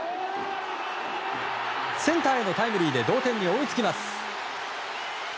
センターへのタイムリーで同点に追いつきます。